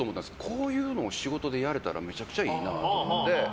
こういうのを仕事でやれたらめちゃくちゃいいなと思って。